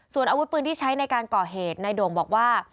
ส่วนอาวุธปืนที่ใช้ในการก่อเหตุนายโด่งบอกว่า